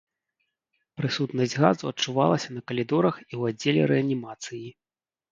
Прысутнасць газу адчувалася на калідорах і ў аддзеле рэанімацыі.